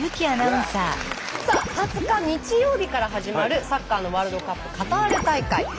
さあ２０日日曜日から始まるサッカーのワールドカップカタール大会。